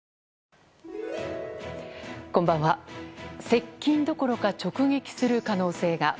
接近どころか直撃する可能性が。